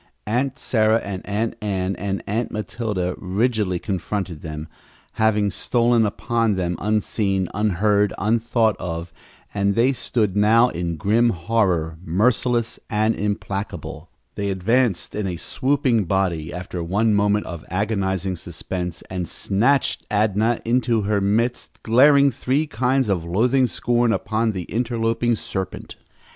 Aunt Sarah and Aunt Ann and Aunt Matilda rigidly confronted them, having stolen upon them unseen, unheard, unthought of, and they stood now in grim horror, merciless and implacable. They advanced in a swooping body, after one moment of agonizing suspense, and snatched Adnah into their midst, glaring three kinds of loathing scorn upon the interloping serpent.